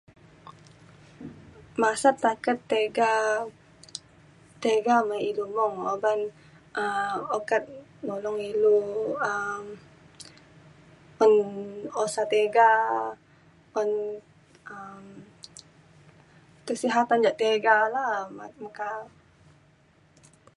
Masat taket tega tega me ilu mung uban um ukat nulong ilu um peng usa tega un um kesihatan ja tega la meka